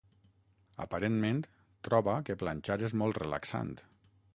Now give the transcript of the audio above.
Aparentment, troba que planxar és molt relaxant.